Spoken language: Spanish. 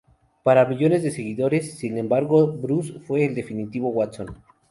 Para millones de seguidores, sin embargo, Bruce fue el definitivo Watson.